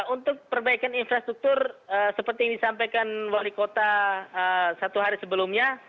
untuk perbaikan infrastruktur seperti yang disampaikan wali kota satu hari sebelumnya